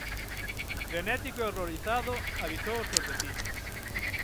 Frenético e horrorizado, avisou ós seus veciños.